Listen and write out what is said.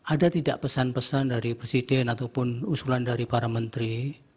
ada tidak pesan pesan dari presiden ataupun usulan dari para menteri